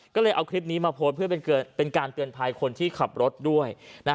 ก็เลยเอาคลิปนี้มาโพสต์เพื่อเป็นการเตือนภัยคนที่ขับรถด้วย